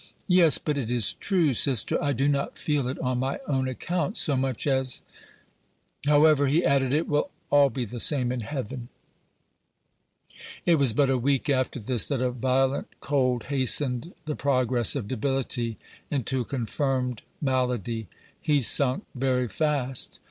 "Yes, but it is true, sister: I do not feel it on my own account so much as However," he added, "it will all be the same in heaven." It was but a week after this that a violent cold hastened the progress of debility into a confirmed malady. He sunk very fast.